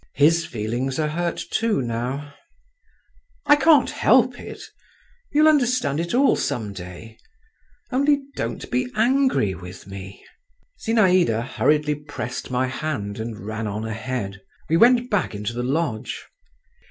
His feelings are hurt too now … I can't help it! you'll understand it all some day … only don't be angry with me!" Zinaïda hurriedly pressed my hand and ran on ahead. We went back into the lodge.